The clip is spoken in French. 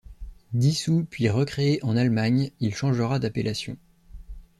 Dissous puis recréé en Allemagne il changera d'appellation.